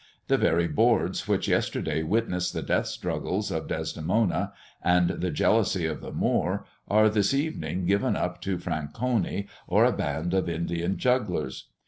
The very boards which yesterday witnessed the death struggles of Desdemona and the jealousy of the Moor, are this evening given up to Franconi or a band of Indian jugglers.